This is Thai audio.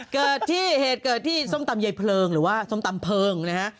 เกิดที่เหตุเกิดที่ส้มตำใยเพลิงหรือว่าส้มตำเพลิงนะฮะ